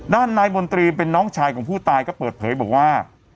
ด้านนายมนตรีเป็นน้องชายของผู้ตายก็เปิดเผยบอกว่า